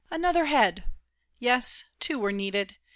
DIDIER. Another head! Yes, two were needed.